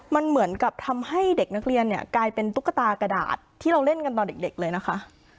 มันเหมือนกับทำให้เด็กนักเรียนเนี่ยกลายเป็นตุ๊กตากระดาษที่เราเล่นกันตอนเด็กเลยนะคะ